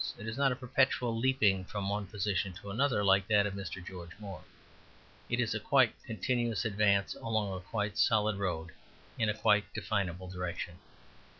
It is not a perpetual leaping from one position to another like that of Mr. George Moore. It is a quite continuous advance along a quite solid road in a quite definable direction.